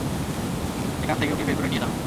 এখান থেকে ওকে বের করে নিয়ে যাবেন।